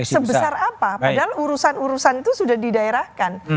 sebesar apa padahal urusan urusan itu sudah didaerahkan